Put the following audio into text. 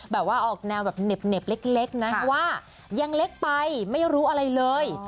แบบว่าออกแนวแบบเหน็บเล็กนะว่ายังเล็กไปไม่รู้อะไรเลย